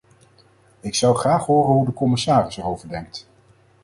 Ik zou graag horen hoe de commissaris erover denkt.